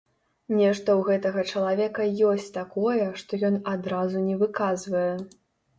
Нешта ў гэтага чалавека ёсць такое, што ён адразу не выказвае.